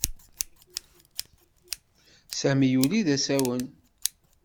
Sami yuli d asawen.